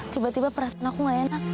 tiba tiba perasaan aku gak enak